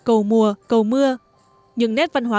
cầu mùa cầu mưa những nét văn hóa